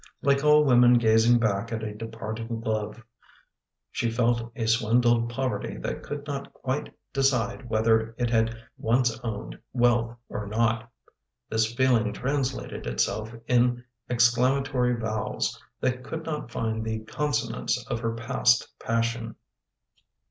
Like all women gazing back at a departed love, she felt a swindled poverty that could not quite decide whether it had once owned wealth or not. This feeling translated itself in exclamatory vowels that could not find the con sonants of her past passion.